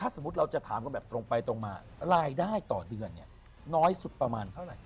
อายุ๔๐เขาจะรวยอย่างนั้นหรือฮะ